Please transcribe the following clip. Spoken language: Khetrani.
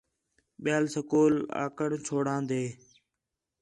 ٻِیال سکول آ گڈھ چھوڑان٘دے